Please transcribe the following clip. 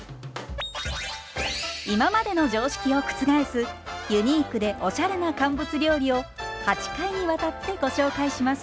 今までの常識を覆すユニークでおしゃれな乾物料理を８回にわたってご紹介します。